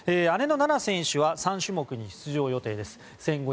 姉の菜那選手は３種目に出場予定です。